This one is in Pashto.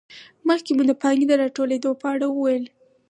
مخکې مو د پانګې د راټولېدو په اړه وویل